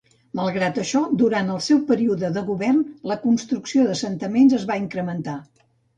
Malgrat això, durant el seu període de govern la construcció d'assentaments es van incrementar.